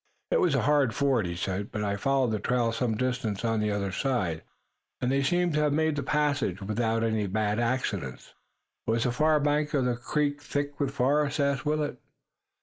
"It was a hard ford," he said, "but I followed the trail some distance on the other side, and they seem to have made the passage without any bad accident." "Was the far bank of the creek thick with forest?" asked Willet.